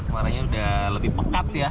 warnanya udah lebih pekat ya